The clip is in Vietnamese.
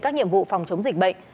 các nhiệm vụ phòng chống dịch bệnh